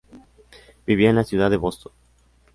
Vivía en la ciudad de Boston.